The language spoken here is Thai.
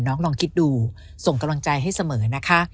ลองคิดดูส่งกำลังใจให้เสมอนะคะ